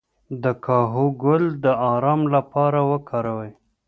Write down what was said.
د کاهو ګل د ارام لپاره وکاروئ